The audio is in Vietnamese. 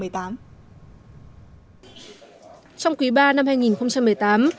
trong quý ba năm hai nghìn một mươi tám